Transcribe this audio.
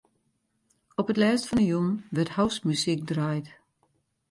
Op it lêst fan 'e jûn wurdt housemuzyk draaid.